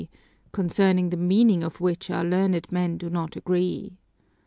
concerning the meaning of which our learned men do not agree.